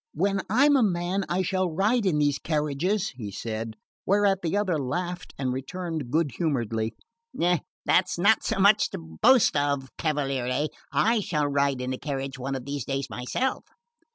"When I'm a man I shall ride in these carriages," he said; whereat the other laughed and returned good humouredly: "Eh, that's not so much to boast of, cavaliere; I shall ride in a carriage one of these days myself."